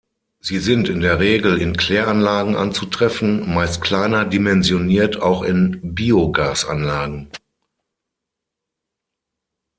Sie sind in der Regel in Kläranlagen anzutreffen, meist kleiner dimensioniert auch in Biogasanlagen.